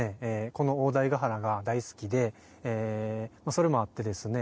この大台ヶ原が大好きでそれもあってですね